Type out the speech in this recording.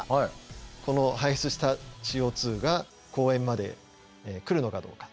この排出したＣＯが公園まで来るのかどうか。